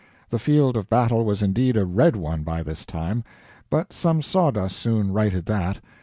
The field of battle was indeed a red one by this time; but some sawdust soon righted that.